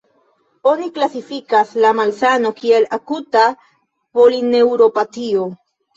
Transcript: Oni klasifikas la malsano kiel akuta polineuropatio.